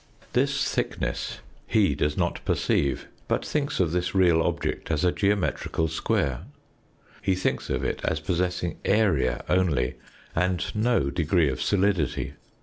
This thickness he does not preceive, but thinks of this real object as a geometrical square. He thinks of it as possessing area only, and no degree of solidity.